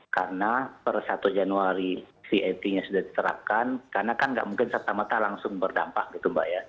karena per satu januari vat nya sudah diterapkan karena kan nggak mungkin setamata langsung berdampak gitu mbak ya